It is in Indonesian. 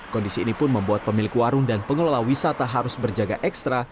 kondisi ini pun membuat pemilik warung dan pengelola wisata harus berjaga ekstra